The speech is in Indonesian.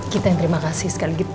kita yang terima kasih sekali